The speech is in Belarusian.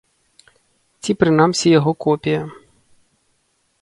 Ці прынамсі яго копія.